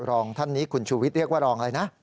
รองท่านนี้คุณชูวิทย์เรียกว่ารองอะไรนะ